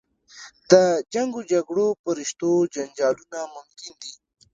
د جنګ و جګړو په رشتو جنجالونه ممکن دي.